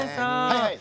はいはい。